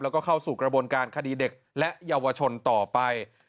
แล้วก็เข้าสู่กระบวนการคดีเด็กและเยาวชนต่อไป